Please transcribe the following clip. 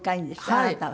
あなたは。